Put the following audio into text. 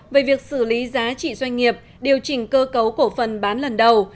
về việc xử lý giá trị doanh nghiệp điều chỉnh cơ cấu cổ phần bán lần đầu